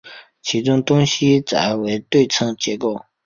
其中东西斋为对称结构。